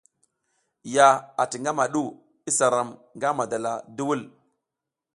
Ya ati ngama du isa ram nga madala duwul.